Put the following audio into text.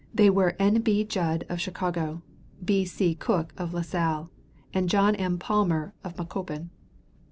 They were N. B. Judd, of Chicago, B. C. Cook, of La Salle, and John M. Palmer, of Macoupin.